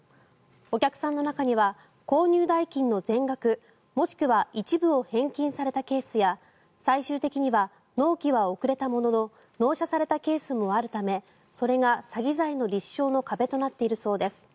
お客さんの中には購入代金の全額もしくは一部を返金されたケースや最終的には納期は遅れたものの納車されたケースもあるためそれが詐欺罪の立証の壁となっているそうです。